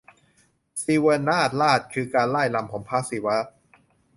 ศิวนาฎราช คือการร่ายรำของพระศิวะ